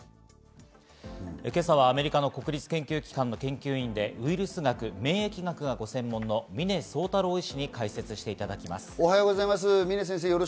今朝はアメリカの国立研究機関の研究員でウイルス学、免疫学がご専門の峰宗太郎医師に解説していただきま峰先生